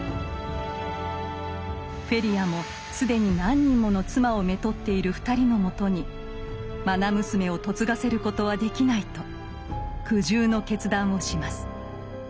フェリアも既に何人もの妻をめとっている２人のもとにまな娘を嫁がせることはできないと苦渋の決断をします。